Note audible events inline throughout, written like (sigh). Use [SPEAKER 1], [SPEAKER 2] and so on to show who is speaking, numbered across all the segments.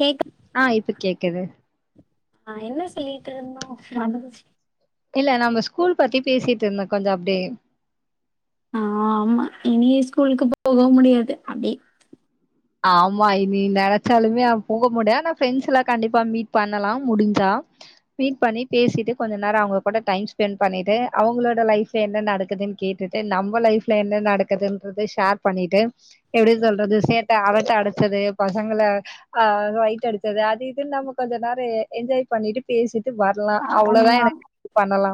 [SPEAKER 1] கேக்க
[SPEAKER 2] ஆ இப்ப கேக்குது
[SPEAKER 1] ஆ என்ன சொல்லிட்டு இருந்தோ மறந்து போச்சு
[SPEAKER 2] இல்ல நம்ம ஸ்கூல் பத்தி பேசிட்டுந்தோ கொஞ்சோ அப்டியே
[SPEAKER 1] ஆ ஆம்மா இனியே ஸ்கூலுக்கு போக முடியாது அப்டி
[SPEAKER 2] ஆம்மா இனி நெனச்சாலுமே அ போக முடியா ஆனா ஃப்ரெண்ட்ஸ்லா கண்டிப்பா மீட் பண்ணலா முடுஞ்சா மீட் பண்ணி பேசிட்டு கொஞ்சோ நேரோ அவுங்க கூட டைம் ஸ்பெண் பண்ணிட்டு அவுங்களோட லைஃப் ல என்ன நடக்குதுன் கேட்டுட்டு நம்ம லைஃப்ல என்ன நடக்குதுன்றது ஷேர் பண்ணிட்டு எப்டி சொல்றது சேட்ட அரட்ட அடுச்சது பசங்கள ஆ சயிட் அடுச்சது அது இதுன் நம்ம கொஞ்ச நேர என்ஜாய் பண்ணிட்டு பேசிட்டு வ ர்லா அவ்ளோதா எனக் (inaudible) பண்ணலா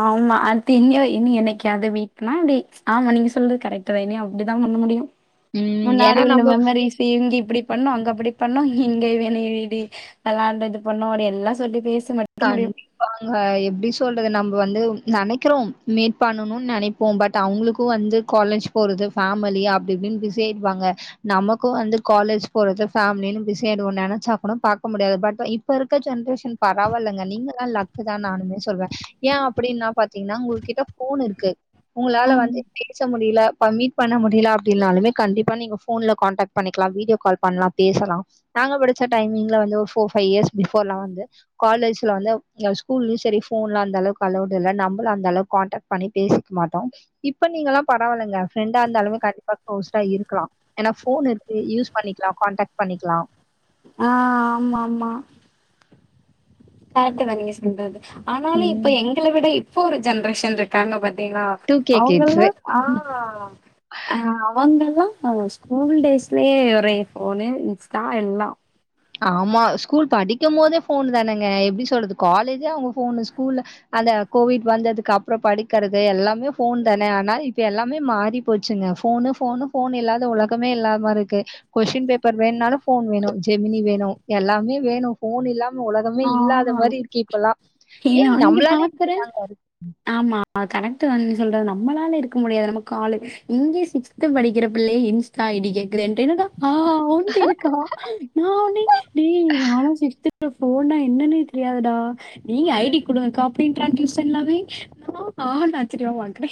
[SPEAKER 1] ஆம்மா அட்த்து எங்கயோ இனி என்னைக்காது மீட் பண்ணா அப்டி ஆமா நீங்க சொல்றது கரெக்ட் டு இனி அப்டித்தா பண்ண முடியு
[SPEAKER 2] ம்
[SPEAKER 1] முன்னாடி
[SPEAKER 2] ஏன்னா
[SPEAKER 1] உள்ள
[SPEAKER 2] நம்ம
[SPEAKER 1] மெமரீஸ் ப்ப இங்க இப்டி பண்ணோ அங்க அப்டி பண்ணோ இங்க இவ என்ன இடி வெளாண்டு இது பண்ணோ அப்டி எல்லா சொல்லி பேசுங்க
[SPEAKER 2] கண்டிப்பாங்க எப்டி சொல்றது நம்ம வந்து நெனக்கிறோம் மீட் பண்ணனுனு நென ப்போ பட் அவுங்களுக்கு வந்து காலேஜ் போறது ஃபேமிலி அப்டி இப்டின் பிஸி ஆயிட்வாங்க நமக்கு வந்து காலேஜ் போறது ஃபேமிலினு பிஸி ஆயிடுவோ நெனச்சா கூட பாக்க முடியாது பட் இ ப்ப இருக்க ஜென்ரேஷன் பா ரவால்லங்க நீங்கல்லா லக்கு தா நானுமே சொல்வே ஏ அப்டின்னா பாத்தீங்ன்னா உங்க கிட்ட ஃபோனுருக்கு உங்களால
[SPEAKER 1] ஆம்
[SPEAKER 2] வந்து பேச முடில இப்ப மீட் பண்ண முடில அப்டின்னாலுமே கண்டிப்பா நீங்க ஃபோன்ல கான்டாக் ட் பண்ணிக்கலா வீடியோ கால் பண்லா பேசலா நாங்க படிச்ச டைமிங்ல வந்து ஒரு ஃபோர் ஃபை இயர்ஸ் பிஃபோர்லா வந்து காலேஜ்ல வந்து ஸ்கூல்லயு சரி ஃபோன்லா அந்த அளவுக்கு அலோடு இல்ல நம்மளு அந்த அளவுக் கான்டேக் பண்ணி பேசிக்க மாட்டோ இப்ப நீங்கலா பரவாலங்க ஃப்ரெண்டா இருந்தாலுமே கண்டிப்பா க்ளோஸ்டா இருக்கலா ஏன்னா ஃபோன் இருக்கு யூஸ் பண்ணிக்லா கான்டாக்ட் பண்ணிக்லாம்
[SPEAKER 1] ஆ ஆம்மாமா ஃபேக்ட்டு தாங்க நீங்க சொல்றது ஆனாலு
[SPEAKER 2] ம்
[SPEAKER 1] இப்ப எங்கள விட இப்ப ஒரு ஜென்ரேஷன் இருக்காங்க பாத்தீங்ளா
[SPEAKER 2] டூ கே கிட்ஸு
[SPEAKER 1] அவுங்கள்லா ஆ அவங்கல்லா ஸ்கூல் டேஸ்லயே ஒரே ஃபோனு இன்ஸ்டா எல்லா
[SPEAKER 2] ஆமா ஸ்கூல் படிக்கும் போதே ஃபோனு தானுங்க எப்டி சொல்றது காலேஜே அவுங்க ஃபோனு ஸ்கூல்ல அந்த கோவிட் வந்ததுக்கு அப்பறம் படிக்கிறது எல்லாமே ஃபோன் தான அதனால இப்ப எல்லாமே மாறி போச்சுங்க ஃபோனு ஃபோனு ஃபோன் இல்லாத உலகமே இல்லாத் மார்ருக்கு கொஸ்டின் பேப்பர் வேண்னாலு ஃபோன் வேணு ஜெமினி வேணு எல்லாமே வேணு ஃபோன் இல்லாம உலகமே
[SPEAKER 1] ஆ
[SPEAKER 2] இல்லாத மாரி இருக்கு இப்பலா ஏங்க நம்ளாலே இப்டி தாங்க
[SPEAKER 1] ஆம்மா கரெக்ட்டு தான் நீ சொல்றது நம்மளால இருக்க முடியாது நமக்காலு இங்கயே சிக் ஸ்கூல் படிக்கிற புள்ளயே இன்ஸ்டா ஐ டி கேக் குதேண்டு என்னடா ஆ ஒன்ட இருக்கா நா உ நீ நீ நானு சிக்ஸ்த் ஃபிஃப் ஓனா என்னன்னே தெரியாதுடா நீங்க ஐ டி குடுங்கக்கா அப்டின்றான்டி செல்லாவே நானா ஆ னு ஆச்சரியமா பாக்குறே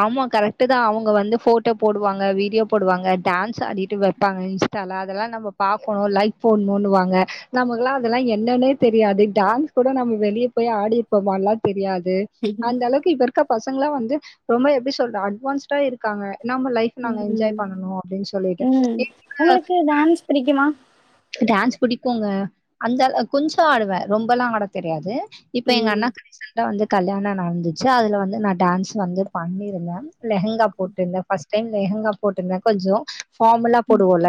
[SPEAKER 2] ஆமா கரெக்ட்டு தா அவுங்க வந்து ஃபோட்டோ போடுவாங்க வீடியோ போடுவாங்க டான்ஸ் அடிட்டு வெப்பாங்க இன்ஸ் டால அதெல்லா நம்ம பாக்கணு லைக் போடணுனு வாங்க நமக்கெல்லா அதெல்லா என்னான்னே தெரியாது டான்ஸ் கூட நம்ம வெளியே போய் ஆடி இருப்போமான்லா தெரியாது
[SPEAKER 1] ம்.
[SPEAKER 2] அந்த அளவுக்கு இப்ப இருக்க பசங்களா வந்து ரொம்ப எப்டி சொல்ற அட்வான்ஸ்டா இருக்காங்க நம்ம லை ஃப் நாங்க என்ஜாய் பண்ணனு அப்டின்னு சொல்லிட்டு
[SPEAKER 1] ம்.
[SPEAKER 2] என்ன
[SPEAKER 1] உங்களுக்கு டான்ஸ் பிடிக்குமா
[SPEAKER 2] டான்ஸ் புடிக்குங்க அந்த கொஞ்ச ஆடுவே ரொம்பெல்லா ஆட தெரியாது இப்ப எங்க
[SPEAKER 1] ம்.
[SPEAKER 2] அண்ணாக்கு ரீசண்டா வந்து கல்யாண நடந்துச்சு அதுல வந்து நா டான்ஸ் வந்து பண்ணிருந்தே லெஹங்கா போட்ருந்தே ஃபஸ்ட் டைம் லெஹங்கா போட்ருந்தே கொஞ்சொ ஃபார்மலா போடுவோல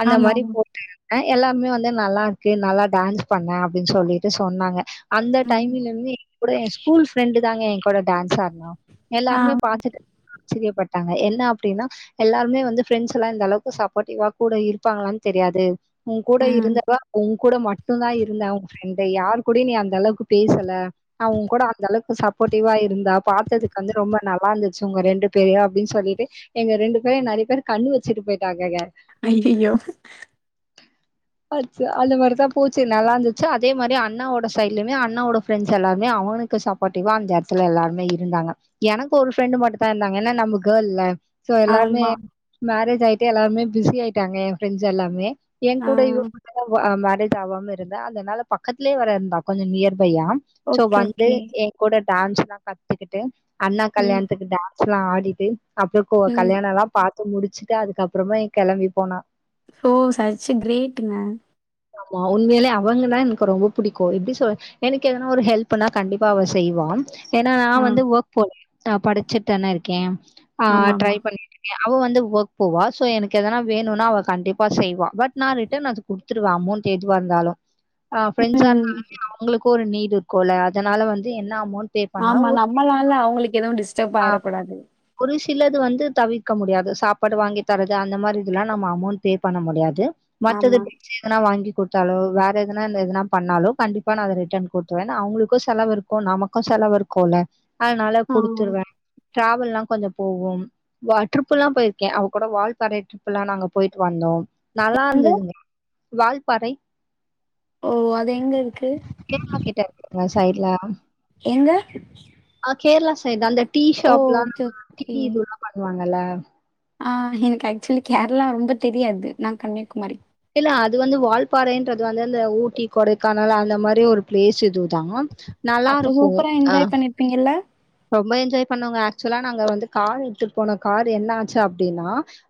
[SPEAKER 2] அந்த மாரி
[SPEAKER 1] ஆமாமா.
[SPEAKER 2] போட்டு அ எல்லாருமே வந்து நல்லா இருக்கு நல்லா டான்ஸ் பண்ண அப்டின் சொல்லிட்டு சொன்னாங்க அந்த
[SPEAKER 1] ம்.
[SPEAKER 2] டைம்ல இருந்து இன்னி கூட எ ஸ்கூல் ஃப்ரெண்டு தாங்க எ கூட டான்ஸ் ஆடுனா எல்லாருமே பாத்துட்டு ஆச்சரியப்பட்டாங்க என்ன அப்டின்னா எல்லாருமே வந்து ஃப்ரெண்ட்ஸ்லா இந்த அளவுக்கு சப்போட்டிவா கூட இருப்பாங்களான்னு தெரியாது உ கூட
[SPEAKER 1] ம்.
[SPEAKER 2] இருந்தவ உ கூட மட்டுதா இருந்தா உ ஃப்ரெண்டு யார் கூடயு நீ அந்த அளவுக்கு பேசல அவ உ கூட அந்த அளவுக்கு சப்போட்டிவா இருந்தா பாத்ததுக்கு வந்து ரொம்ப நல்லா இருந்துச்சு உங்க ரெண்டு பேரையு அப்டின் சொல்லிட்டு எங்க ரெண்டுபேர நெறைய பேர் கண்ணு வெச்சிட்டு போயிட்டாங்கங்க
[SPEAKER 1] ஐயய்யோ
[SPEAKER 2] ஆச்சு அந்த மாரி தா போச்சு நல்லா இருந்துச்சு அதே மாரி அண்ணாவோட சைட்லயுமே அண்ணாவோட ஃப்ரெண்டஸ் எல்லாருமே அவனுக்கு சப் போட்டிவா அந்த எடத்துல எல்லாருமே இருந்தாங்க எனக்கு ஒரு ஃப்ரெண்டு மட்டு தா இருந்தாங்க ஏன்னா நம்ம கேர்ள்ல சோ எல்லாருமே
[SPEAKER 1] ஆமா.
[SPEAKER 2] மேரேஜ் ஆயிட்டு எல்லாருமே பிஸி ஆயிட்டாங்க எ ஃப்ரெண்ட்ஸ் எல்லாமே எ
[SPEAKER 1] ஆ.
[SPEAKER 2] கூட இவ மட்டுதா வ அ மேரேஜ் ஆவாம இருந்தா அதனால பக்கத்லே வேர இருந்தா கொஞ்ச நியர்பையா சோ
[SPEAKER 1] ஓகே,
[SPEAKER 2] வந்து
[SPEAKER 1] ஓகே.
[SPEAKER 2] எ கூட டான்ஸ்ல்லா கத்துக்கிட்டு அண்ணா
[SPEAKER 1] ம்.
[SPEAKER 2] கல்யாணத்துக்கு டான்ஸ்ல்லா ஆடிட்டு அப்புறோ கோ
[SPEAKER 1] ம்.
[SPEAKER 2] கல்யாணல்லா பாத்து முடிச்சிட்டு அதுக்கப்புறமா எ கெளம்பி போனா
[SPEAKER 1] ஓ சச் கிரேடுங்க
[SPEAKER 2] ஆமா உண்மையிலே அவங்க தா எனக்கு ரொம்ப புடிக்கு எப்டி சொ எனக்கு எதனா ஒரு ஹெல்புனா கண்டிப்பா அவ செய்வா ஏன்னா நா
[SPEAKER 1] ஆ.
[SPEAKER 2] வந்து ஒர்க் போல நா படிச்சுட் தான இருக்கே ஆ ட்ரை
[SPEAKER 1] ஆமாமா.
[SPEAKER 2] பண்ணிட்டு அவ வந்து வொர்க் போவா சோ எனக்கு எதனா வேணுனா அவ கண்டிப்பா செய்வா பட் நா ரிட்டன் அது குடுத் துருவே அமௌன்ட் எதுவா இருந்தாலு ஆ ஃப்ரெண்ட்ஸா
[SPEAKER 1] ம்.
[SPEAKER 2] இருந்தாலுமே அவங் உங்களுக்கு ஒரு நீட் இருக்குல அதனால வந்து என்ன அமௌண்ட் பே பண்ணாலு
[SPEAKER 1] ஆமா
[SPEAKER 2] ஒரு
[SPEAKER 1] நம்மளால அவங்களுக்கு எதுவு டிஸ்டர்ப்
[SPEAKER 2] ஆ
[SPEAKER 1] ஆயிர கூடாது
[SPEAKER 2] ஒரு சிலது வந்து தவிர்க்க முடியாது சாப்பாடு வாங்கி தரது அந்த மாரி இதுல்லா நம்ம அமௌண்ட் பே பண்ண முடியாது மத்தது
[SPEAKER 1] ஆமா.
[SPEAKER 2] எதனா வாங்கி குத்தாலோ வேற எதனா எதுனா பண்ணாலோ கண்டிப்பா நா அத ரிட்டன் போட்ருவே எனா அவங்களுக்கு செலவு இரு க்கு நமக்கு செலவு இருக்குல்ல அதனால
[SPEAKER 1] ஆ.
[SPEAKER 2] குடுத்துருவே டிராவல்லா கொஞ்சோ போவோம் வா ட்ரிப்புல்லா போயிருக்கே அவ கூட வால்பாறை டரிப்ல்லா நாங்க போயிட்டு வந்தோ நல்லா
[SPEAKER 1] எங்க?
[SPEAKER 2] இருந்ததுங்க வால்பாறை
[SPEAKER 1] ஓ அது எங்க இருக்கு
[SPEAKER 2] கேரளா கிட்ட இருக்குங்க சைட்ல
[SPEAKER 1] எங்க
[SPEAKER 2] ஆ கேரளா சைட் தா அந்த டீ
[SPEAKER 1] ஓ!
[SPEAKER 2] ஷாப்லா
[SPEAKER 1] ஓகே,
[SPEAKER 2] டீ
[SPEAKER 1] ஓகே.
[SPEAKER 2] இதுல்லா பண்ணுவாங்கல்ல
[SPEAKER 1] ஆ எனக்கு ஆக்சுவலி கேரளா ரொம்ப தெரியாது நா கன்னியாகுமரி
[SPEAKER 2] இல்ல அது வந்து வால்பாறைன்றது வந்து அந்த ஊட்டி கொடைக்கானல் அந்த மாரி ஒரு பிளேஸ் இதுதா நல்லா
[SPEAKER 1] அப்ப
[SPEAKER 2] இருக்கு
[SPEAKER 1] சூப்பரா
[SPEAKER 2] அ
[SPEAKER 1] என்ஜாய் பண்ணிர்ப்பீங்கள்ள
[SPEAKER 2] ரொம்ப என்ஜாய் பண்ணோங்க ஆக்சுவலா நாங்க வந்து கார் எடுத்துட் போனோ கார் என்ன ஆச்சு அப்டின்னா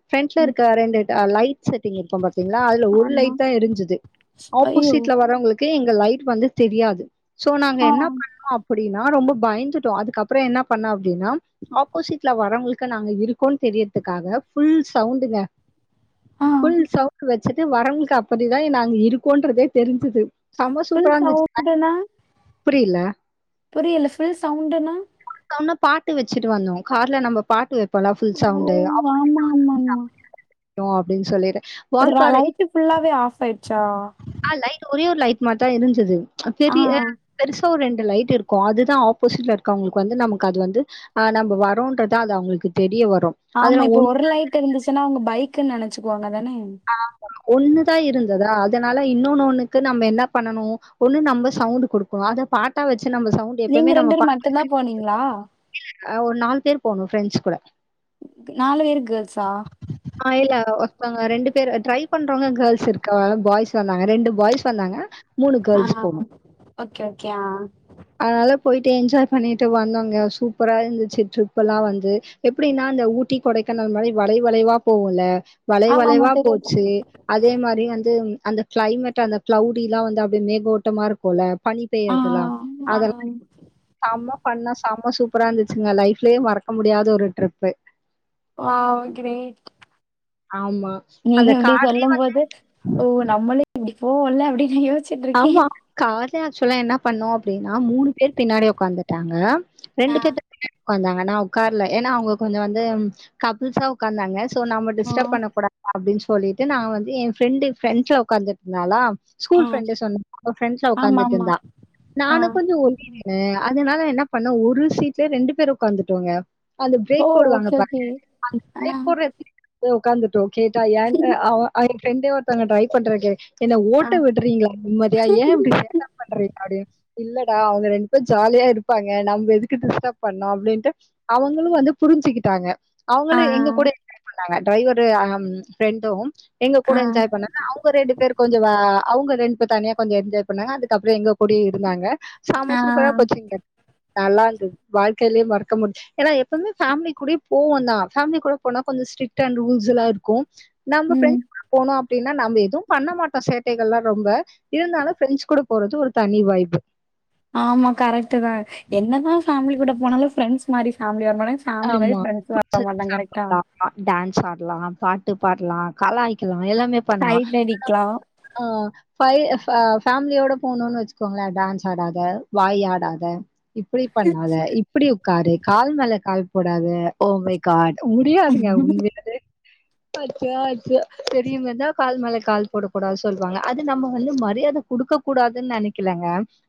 [SPEAKER 2] ஃப்ரண்ட்ல
[SPEAKER 1] ம்.
[SPEAKER 2] இருக்க ரெண்டு ஆ லைட் செட்டிங் இருக்கும் பாத்தீங்களா அதுல ஒரு
[SPEAKER 1] ஆமா.
[SPEAKER 2] லைட் தா எரிஞ்சுது
[SPEAKER 1] ஐயோ!
[SPEAKER 2] ஆப்போசிட்ல வரவங்களுக் கே லைட் வந்து தெரியாது சோ நாங்க
[SPEAKER 1] ஆ.
[SPEAKER 2] என்ன பண்ணோ அப்படின்னா ரொம்ப பயந்துட்டோ அதுக்கப் ப்றோ என்ன பண்ணோ அப்டினா ஆப்போசிட்ல வரவங்களுக்கு நாங்க இருக்கோன் தெரியறதுக்காக ஃபுல் சவுண்டுங்க
[SPEAKER 1] ஆ.
[SPEAKER 2] ஃபுல் சவுண்டு வச்சுட்டு வரவங்ளுக்கு அப்படிதா நாங்க இருக்கோன்றதே தெரிஞ்சுது செம
[SPEAKER 1] ஃபுல்
[SPEAKER 2] சூப்பரா இருந்துச்சுஙாக
[SPEAKER 1] சவுண்டுன்னா?
[SPEAKER 2] புரில்ல
[SPEAKER 1] புரியல ஃபுல் சவுண்டுன்னா
[SPEAKER 2] சவுன்டுனா பாட்டு வச்சுட்டு வந்தோ கார்ல நம்ம பாட்டு வைப்போல ஃபுல்
[SPEAKER 1] ஓ
[SPEAKER 2] சவுண்டு
[SPEAKER 1] ஆமா
[SPEAKER 2] ஆப்போசிட்ல வந்து
[SPEAKER 1] ஆமா ஆமா
[SPEAKER 2] (inaudible) கும் அப்படின் சொல்லிட்டு
[SPEAKER 1] ரா
[SPEAKER 2] வால்பாறை
[SPEAKER 1] லைட்டு ஃபுல்லாவே ஆஃப் ஆயிட்ச்சா
[SPEAKER 2] ஆ லைட் ஒரே ஒரு லைட் மட் தா எரிஞ்சது
[SPEAKER 1] ஆ
[SPEAKER 2] பெரிய பெருசா ஒரு ரெண்டு லைட் இருக்கு அதுதா ஆப்போசிட்ல இருக்றவங்களுக்கு வந்து நமக்கு அது வந்து ஆ நம்ப வரோன்றத அது அவங்களுக்கு தெரிய வரு
[SPEAKER 1] ஆமா
[SPEAKER 2] அதுல
[SPEAKER 1] இப்ப ஒரு லைட் இருந்துச்சுன்னா அவங்க பைக்குன்னு நெனச்சுக்குவாங்க தானே
[SPEAKER 2] ஒன்னுதா இருந்ததா அதனால இன்னொன்னு ஒன்னுக்கு நம்ம என்ன பண்ணனு ஒன்னு நம்ம சவுண்ட் கொடுக் அத பாட்டா வச்சு நம்ம சவுண்ட்
[SPEAKER 1] நீங்க ரெண்டு வேர் மட்டுந்தா போனீங்ளா
[SPEAKER 2] இல்ல ஒரு நால் பேர் போணு ஃப்ரெண்ட்ஸ் கூட
[SPEAKER 1] நாலு வேரு கேர்ள்ஸா
[SPEAKER 2] ஆ இல்ல ஒருந்தவங்க ரெண்டு பேர் ட்ரை பண்றவங்க கேள்ஸ் இருக்காங்க பாய்ஸ் வந்தாங்க ரெண்டு பாய்ஸ் வந்தாங்க மூனு
[SPEAKER 1] ஆ
[SPEAKER 2] கேர்ள்ஸ் போணோ
[SPEAKER 1] ஓகே ஓகே ஆ
[SPEAKER 2] அதனால போயிட்டு என்ஜாய் பண்ணிட்டு வந்தோங்க சூப்பரா இருந்துச்சு ட்ரிப் எல்லா வந்து எப்படின்னா இந்த ஊட்டி கொடைக்கானல் மாரி வளை வளைவா போகுல்ல வளை
[SPEAKER 1] ஆமாமா
[SPEAKER 2] வளைவா
[SPEAKER 1] தெரியு
[SPEAKER 2] போச்சு
[SPEAKER 1] தெரியு
[SPEAKER 2] அதே மாரி வந்து அந்த கிளைமேட் அந்த கிளவுடிலா வந்து அப்டி மேலோட்டமா இருக்குல்ல பனி
[SPEAKER 1] ஆ
[SPEAKER 2] பெய்றது எல்லா
[SPEAKER 1] ஆ
[SPEAKER 2] அத செம ஃபன்னா செம சூப்பரா இருந்துச்சுங்க லைஃப்லே மறக்க முடியாத ஒரு ட்ரிப்பு
[SPEAKER 1] ஆ கிரேட்
[SPEAKER 2] ஆமா
[SPEAKER 1] நீ
[SPEAKER 2] அந்த கா
[SPEAKER 1] இப்டி சொல்லும் போது ஓ நம்மளு இப்டி போவோல்ல அப்டின்னு யோசி
[SPEAKER 2] ஆமா கார்லே ஆக்சுவலா என்ன பண்ணோ அப்டின்னா மூணு பேரு பின்னாடி உக்காந்துட்டாங்க ரெண்டு
[SPEAKER 1] ஆ
[SPEAKER 2] பேத்து பின்னாடி உக்காந்தாங்க நா உக்கார்ல ஏனா அவங்க கொஞ்சோ வந்து கப்புல்ஸா உக்காந்தாங்க சோ நம்ம
[SPEAKER 1] ஆ
[SPEAKER 2] டிஸ்டப் பண்ண கூடாது அப்படின் சொல்லிட்டு நா வந்து எ ஃப்ரெண்டு ப்ரண்ட்ல உட்கார்ந்து இருந்தாலா
[SPEAKER 1] ஆ
[SPEAKER 2] (inaudible) ஃப்ரன்ட்ல உக்காந்துட்டு
[SPEAKER 1] ஆமாமா
[SPEAKER 2] இருந்தா
[SPEAKER 1] ஆ
[SPEAKER 2] நானு கொஞ்சோ ஒட்டினு னு அதனால என்ன பண்ணோ ஒரு சீட்லயே ரெண்டு பேர் உக்காந்துட்டோங்க அந்த
[SPEAKER 1] ஓ
[SPEAKER 2] பிரேக் போடுவாங்க
[SPEAKER 1] ஓகே ஓகே
[SPEAKER 2] பாருங்க அந்த
[SPEAKER 1] ஆ
[SPEAKER 2] பிரேக் போடுற இடத்துக் போய் உக்காந்துட்டோ கேட்டா ஏன் அவ அவ ஃப்ரெண்டே ஒருத்தவங்க ட்ரை பண்றதுக்கு என்ன
[SPEAKER 1] ஆ
[SPEAKER 2] ஓட்ட விட் றீங்களா நிம்மதியா ஏ இப்டி லேட்டா பண்றிங் அப்டின் இல்லடா அவங்க ரெண்டு பேரு ஜாலியா இருப்பாங்க நம்ம எதுக்கு டிஸ்டப் பண்ணு அப்டின்ட்டு அவங்களு வந்து புரிஞ்சிகிட்டாங்க
[SPEAKER 1] ஆ
[SPEAKER 2] அவங்களு எங்க கூடயே என்ஜாய் பண்ணாங்க டிரைவரு ஃப்ரெண்டு எங்க கூட
[SPEAKER 1] ஆ
[SPEAKER 2] என்ஜாய் பண்ணாங்க அவங்க ரெண்டு பேர் கொஞ்ச வா அவங்க ரெண்டு பேரு தனியா கொஞ்ச என்ஜாய் பண்ணாங்க அதுக்கப்புற எங்க கூடயு இருந்தாங்க செம
[SPEAKER 1] ஆ
[SPEAKER 2] சூப்பரா போச்சிங்க நல்லாருந்தது வாழ்க்கையிலயே மறக்க முடிஞ்ச ஏன்னா எப்பவுமே ஃபேமிலி கூடயு போவந்தா ஃபேமிலி கூட போனா கொஞ்ச ஸ்ரிக்ட் அண்ட் ரூல்ஸ் எல்லா இருக்கு நம்ம
[SPEAKER 1] ம்
[SPEAKER 2] ஃபிரெண்ட் கூட போனோ அப்டின்னா நம்ம எதுவு பண்ண மாட்டோ சேட்டைகள்லா ரொம்ப இருந்தாலு ஃபிரெண்ஸ் கூட போறது ஒரு தனி வைபு
[SPEAKER 1] ஆமா கரெக்ட்டுதா என்னதா ஃபேமிலி கூட போனாலு ஃப்ரெண்ட்ஸ் மாரி ஃபேமிலி வரமாட்டாங்க ஃபேமிலி மாரி
[SPEAKER 2] ஆமா.
[SPEAKER 1] ஃப்ரெண்ஸ் வர
[SPEAKER 2] புடிச்சது
[SPEAKER 1] மாட்டாங்க கரெக்டா
[SPEAKER 2] டான்ஸ் ஆடலா‌ பாட்டு பாடலா கலாய்க்கலா எல்லாமே பண்லா
[SPEAKER 1] சைட் அடிக்கலா
[SPEAKER 2] ஆ ஃபை ஃபே ஃபேமிலியோட போணோனு வெச்சுக்கோங்களே டான்ஸ் ஆடாத வாய் ஆடாத இப்பிடி பண்ணாத இப்பிடி உக்காரு கால் மேல கால் போடாத ஓ மை காட் முடியாதுங்க உண்மையிலே அச்சோ அச்சோ பெரியவங்க இருந்தா கால் மேல கால் போடக்கூடாது சொல்வாங்க அது நம்ம வந்து மரியாத குடுக்க கூடாதுன்னு நெனைக்கிலங்க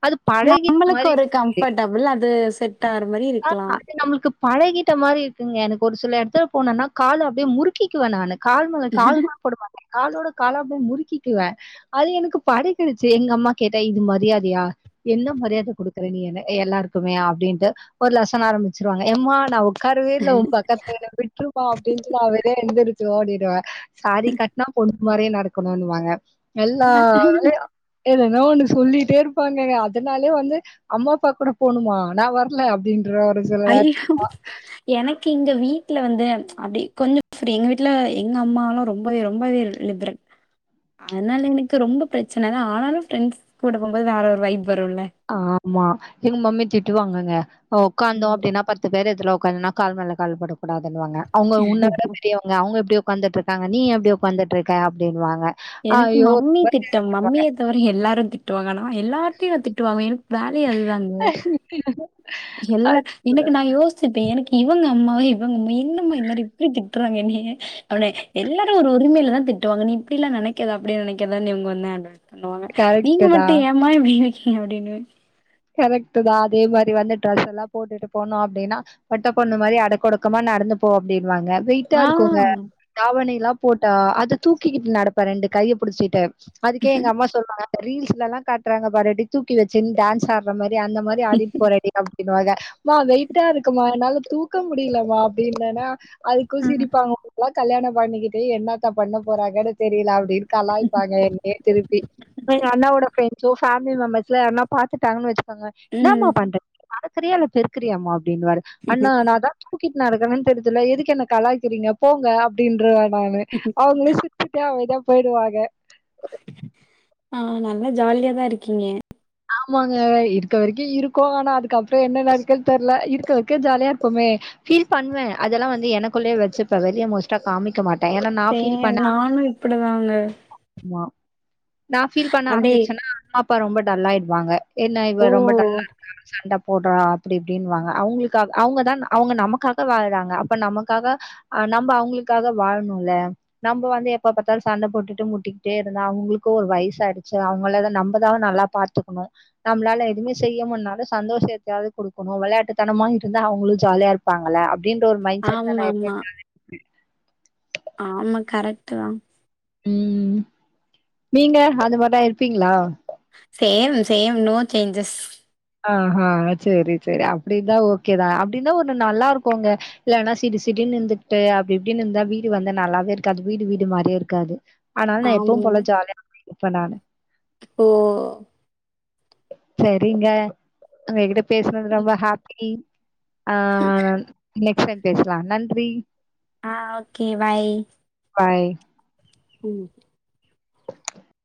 [SPEAKER 2] அது பழகிட்ட
[SPEAKER 1] நம்மளுக்கு
[SPEAKER 2] மாரி
[SPEAKER 1] ஒரு
[SPEAKER 2] இருக்கில்லிங்
[SPEAKER 1] கம்ஃபர்டபிள் அது செட் ஆகுற மாரி இருக்கலா
[SPEAKER 2] அது நம்மளுக்கு பழகிட்ட மாரி இருக்குங்க எனக்கு ஒரு சில எடத்துல போனன்னா கால அப்படியே முறுக்கிக்குவ நானு கால் மேல கால்லா போட மாட்ட காலோட காலா அப்டியே முறுக்கிக்கிவே அது எனக்கு பழகிடுச்சு எங்க அம்மா கேட்டா இது மரியாதையா என்ன மரியாத குடுக்குற நீனு எல்லாருக்குமே அப்டின்ட்டு ஒரு லெசன் ஆரம்பிச்சிருவாங்க எம்மா நா உக்காரவே இல்ல உ பக்கத்துல விட்ருமா அப்டின்ட்டு நா வெளிய எந்திருச்சு ஓடிடுவ சாரீ கட்னா பொண்ணு மாரியே நடக்கணுன்னுவாங்க எல்லா வேலையு எதன்னா ஒண்ணு சொல்லிட்டே இருப்பாங்க அதனாலயே வந்து அம்மா அப்பா கூட போணுமா நா வர்ல அப்டின்றுவ ஒரு சில நேர
[SPEAKER 1] எனக் கிங்க வீட்ல வந்து அப்டி கொஞ்சோ ஃப்ரீ எங்க வீட்ல எங்க அம்மாலா ரொம்பவே ரொம்பவே லிபரல் அதனால எனக்கு ரொம்ப பிரச்சன ஆனாலு ஃப்ரண்ட்ஸ் கூட போம்போது வேற ஒரு வைப் வருல்ல
[SPEAKER 2] ஆமா எங்க மம்மி திட்டு வாங்கங்க உக்காந்தோ
[SPEAKER 1] வருல்ல
[SPEAKER 2] அப்டின்னா ப த்து பேர் எதுர்ல உக்காந்தனா கால் மேல கால் போடக்கூடாதுனு வாங்க அவங்க உன்ன விட பெரியவங் க அவங்க எப்படி உக்காந்துட்டு இருக்காங்க நீ எப்படி உக்காந்துட்டு இருக்க அப்படின்வாங்க.
[SPEAKER 1] எனக்கு மம்மி திட்டம் மம்மிய பொறுத்தவரை எல்லாரு திட்டுவாங்க நா எல்லார்ட்டயு திட்டு வாங்வே எனக்கு வேலையே அதுதாங்க எல்லா எனக்கு நா யோசிச்சிப்ப எனக்கு இவங்க அம்மாவ இவங்க அம்மா என்னம்மா எல்லாரு இப்டி திட் றாங்க என்னைய உடனே எல்லாரு ஒரு உரிமையிலதா திட்டுவாங்க நீ இப்பிடி எல்லா நெனைக்காத அப்டி நெனைக்காதன்னு இவங்க வந்து அட்வைஸ் பண்ணுவாங்க
[SPEAKER 2] கரெக்ட்டு
[SPEAKER 1] நீங்க
[SPEAKER 2] தா
[SPEAKER 1] மட்டு ஏமா இப்டி இருக்கிங்க அப்டின்னுவ
[SPEAKER 2] கரெக்ட்டுதா அதே மாரி வந்து ட்ரெஸ் எல்லா போட்டுட்டு போனோ அப்டின்னா பொட்ட பொண்ணு மாரி அடக்க ஒடுக்கமா நடந்து போ அப்டின்வாங்க ட்டா
[SPEAKER 1] ஆ.
[SPEAKER 2] இருக்குங்க தாவணி எல்லா போட்டா அத தூக்கிக்கிட்டு நடப்பே ரெண்டு கைய புடிச்சிட்டு அதுக்கே எங்க அம்மா சொல்வாங்க ரீல்ஸ்லல்லா காட்றாங்க பாரு இப்டி தூக்கி வெச்சுட் டான்ஸ் ஆட றம் மேரி அந்த மேரி ஆடிட் போறடிகம் டின்னுவாக மா வெயிட்டா இருக்குமா என்னாலத் தூக்க முடிலமா அப்டின்னனா அதுக்கு
[SPEAKER 1] ம்.
[SPEAKER 2] சிரிப்பாங்க உன்னலா கல்யாணப் பண்ணிகிட்டு என்னாத்தப் பண்ண போறாங்கனு தெரில அப் டின் கலாய்ப்பாங்க என்னையேத் திருப்பி எங்க அண்ணவோட ஃபிரண்ட்ஸோ ஃபேம்லி மெம்பர்ஸ்லா யார்னாப் பாத்துட் டாங்க வெச்சுகொங்க இன்னாமா
[SPEAKER 1] ம்.
[SPEAKER 2] பண்ற நடக்கிறியா இல்லப் பெருக்குறியாமா அப்டின்வாரு அண்ணா நாதா தூக்கிட் நடக்கரன் தெரிதுல எதுக்கு என்ன கலாய்க்கிறீங்க போங்க அப்டின்ருவே நானு அவுங்களே சுத்திட்டு அமைதியாப் போய்டுவாங்க
[SPEAKER 1] அ நல்லா ஜாலியாதா இருக்கீங்க
[SPEAKER 2] ஆமாங்க இருக்க வரைக்கு இருக்கோ ஆனா அதுக்கப்றோ என்ன நடக்கன் தெர்ல இருக்க வரைக்கு ஜாலியா இருப்போமே ஃபீல் பண்வே அதெல்லா வந்து எனக்குள்ளயே வெச்சுப்பே வெளிய மோஸ்டா காமிக்க மாட்
[SPEAKER 1] சேம் நானு இப்டுதாங்க
[SPEAKER 2] மா நா ஃபீல் பண்ண
[SPEAKER 1] அப்படியே
[SPEAKER 2] ஆரமிச்சன்னா அம்மா அப்பா ரொம்ப டல்லாயிடுவாங்க என்ன இவே
[SPEAKER 1] ஓ!
[SPEAKER 2] ரொம்ப டல்லார் காக சண்டப் போட்றா அப்டி இப்டின்வாங்க அவுங்ளுக்காக அவுங்கதான் அவுங்க நமக்காக வாழறாங்க அப்ப நமக்காக அ நம்ப அவுங்குளுக்காக வாழணுல்ல நம்ப வந்து எப்ப பாத்தாலு சண்டட் போட்டுட்டு முட் ட்டிக்ட்டே இருந்தா அவுங்ளுக்கு ஒரு வயிசாயிடுச்சு அவுங்களால நம்பதா நல்லாப் பாத்துகுணு நம்ளால எதுமே செய்ய முன்னாலு சந்தோஷயெத்யாவது குடுக்குணு வெளையாட்டுத்தனமா இருந்தா அவுங்ளு ஜாலியா இருப்பாங்கள அப் டின்ற ஒரு மைன் செட்ல நா எப்பே
[SPEAKER 1] ஆமாமா.
[SPEAKER 2] ஜாலியா
[SPEAKER 1] ஆம கரட்டுதா
[SPEAKER 2] ம் நீங்க அது மார்டா இருப்பீங்ளா
[SPEAKER 1] சேம் சேம் நோ சேஞ்சஸ்
[SPEAKER 2] அ அ செரி செரி அப்டிதா ஓகேதா அப்டினா ஒன்னு நல்லா இருக்குங்க இல்லனா சிடு சிடுனு இந்துகிட்டு அப்டி இப்டினு இந்தா வீடு வந்த நல்லாவே இருக்காது வீடு வீடு மாரியே இருக்காது அனால நா
[SPEAKER 1] ஆமா
[SPEAKER 2] எப்பவும் போல ஜாலியா (unintelligible) இருப்பே நானு
[SPEAKER 1] ஓ
[SPEAKER 2] செரிங்க உங்ககிட்ட பேச்னது ரொம்ப ஹேப்பி ஆ நன் நெக்ஸ்ட் டைம் பேச்லா நன்றி
[SPEAKER 1] ஆ ஓகே பாய்
[SPEAKER 2] பாய்
[SPEAKER 1] ம்